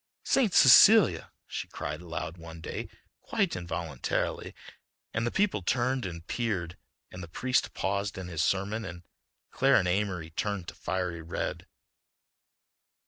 "St. Cecelia," he cried aloud one day, quite involuntarily, and the people turned and peered, and the priest paused in his sermon and Clara and Amory turned to fiery red.